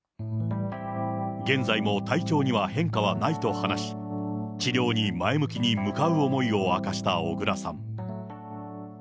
現在も体調には変化はないと話し、治療に前向きに向かう思いを明かした小倉さん。